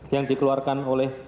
yang dikeluarkan oleh